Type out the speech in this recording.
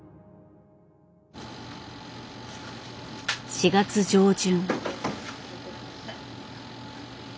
４月上旬。